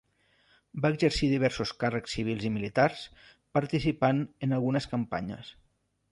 Va exercir diversos càrrecs civils i militars participant en algunes campanyes.